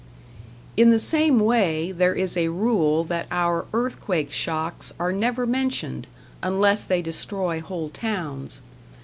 In the same way, there is a rule that our earth quake shocks are never mentioned, unless they destroy whole towns.